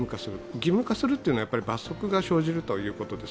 義務化するというのは罰則が生じるというわけです。